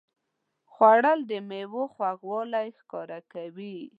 خوړل د میوو خوږوالی ښکاره کوي